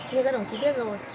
như các đồng chí biết rồi